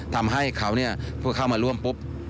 ทำให้เขาเนี่ยเพื่อเข้ามาร่วมปุ๊บ